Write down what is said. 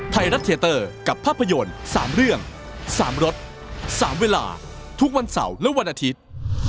ไทยรัฐเทียเตอร์กับภาพยนตร์๓เรื่อง๓รถ๓เวลาทุกวันเสาร์และวันอาทิตย์